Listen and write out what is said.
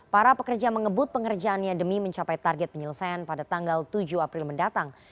para pekerja mengebut pengerjaannya demi mencapai target penyelesaian pada tanggal tujuh april mendatang